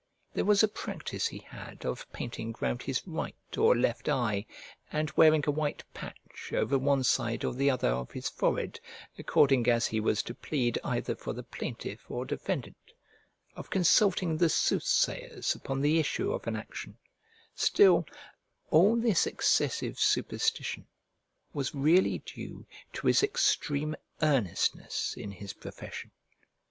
There was a practice he had of painting round his right or left eye, and wearing a white patch over one side or the other of his forehead, according as he was to plead either for the plaintiff or defendant; of consulting the soothsayers upon the issue of an action; still, all this excessive superstition was really due to his extreme earnestness in his profession.